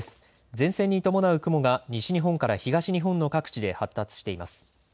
前線に伴う雲が西日本から東日本の各地で発達しています。